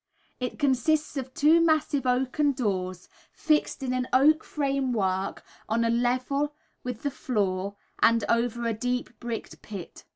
It consists of two massive oaken doors, fixed in an oak frame work on a level with the floor, and over a deep bricked pit.